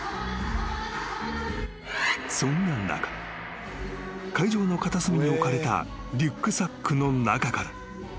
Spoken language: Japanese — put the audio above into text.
［そんな中会場の片隅に置かれたリュックサックの中から］